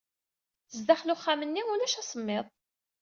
Sdaxel uxxam-nni, ulac asemmiḍ.